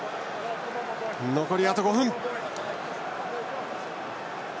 残り、あと５分。